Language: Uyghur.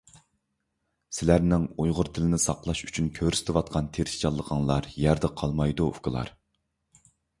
سىلەرنىڭ ، ئۇيغۇر تىلىنى ساقلاش ئۇچۈن كۆرسىتۋاتقان تىرىشچانلىقىڭلار يەردە قالمايدۇ، ئۇكىلار…